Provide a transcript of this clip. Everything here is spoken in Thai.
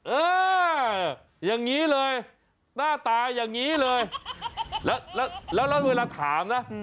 เอออย่างนี้เลยหน้าตาอย่างนี้เลยแล้วแล้วเวลาถามนะ